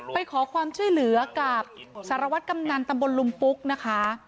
ไปขอความช่วยเหลือกับสารวัตรกำนันตำบลลุมปุ๊กนะคะ